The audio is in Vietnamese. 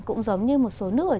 cũng giống như một số nước